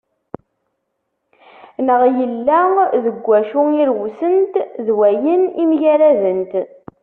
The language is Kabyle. Neɣ yella deg wacu irewsent, d wayen i mgaradent.